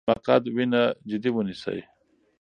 مقعد وینه جدي ونیسئ.